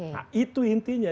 nah itu intinya